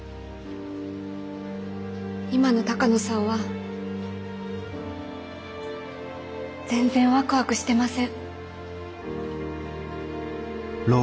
今の鷹野さんは全然ワクワクしてません。